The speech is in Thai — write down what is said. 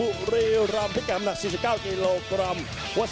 ลูกฮาร์ตเตอร์รับทราบของอัมนาจริงโปรวินส์